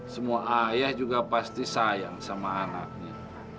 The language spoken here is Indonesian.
semua ayah juga pasti sayang sama anaknya